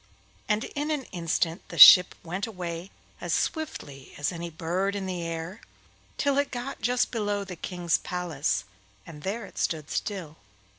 And in an instant the ship went away as swiftly as any bird in the air till it got just below the King's palace, and there it stood still.